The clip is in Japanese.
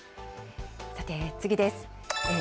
さて次です。